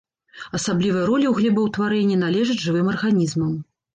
Асаблівая роля ў глебаўтварэнні належыць жывым арганізмам.